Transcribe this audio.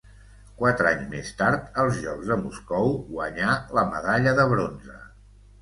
Quatre anys més tard, als Jocs de Moscou, guanyà la medalla de bronze.